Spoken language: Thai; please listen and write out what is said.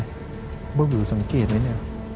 บ้าบีรูสังเกตไหมเนี่ย